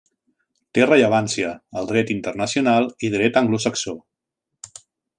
Té rellevància al dret internacional i dret anglosaxó.